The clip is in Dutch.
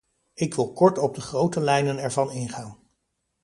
Ik wil kort op de grote lijnen ervan ingaan.